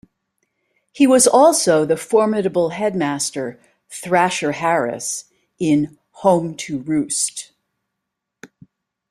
He was also the formidable headmaster "Thrasher" Harris in "Home To Roost".